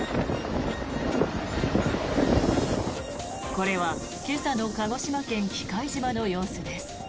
これは今朝の鹿児島県・喜界島の様子です。